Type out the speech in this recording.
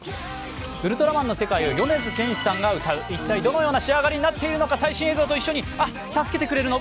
「ウルトラマン」の世界を米津玄師さんが歌う一体どのような仕上がりになっているのか最新映像と一緒にあっ、助けてくれるの？